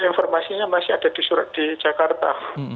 informasinya masih ada di surat di jakarta